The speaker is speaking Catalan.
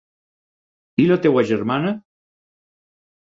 I la teva germana?